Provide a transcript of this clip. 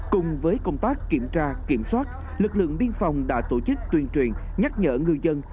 cùng với công tác kiểm tra kiểm soát lực lượng biên phòng đã tổ chức tuyên truyền nhắc nhở ngư dân